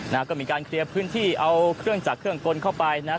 นะฮะก็มีการเคลียร์พื้นที่เอาเครื่องจักรเครื่องกลเข้าไปนะฮะ